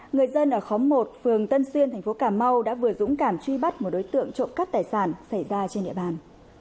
người dân ở khóm một phường tân xuyên thành phố cà mau đã vừa dũng cảm truy bắt một đối tượng trộm cắp tài sản xảy ra trên địa bàn